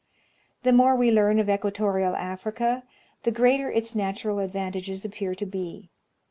The more we learn of equatorial Africa, the greater its natural advantages appear to be.